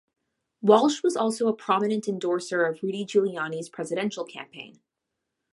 Walsh was also a prominent endorser of Rudy Giuliani's presidential campaign.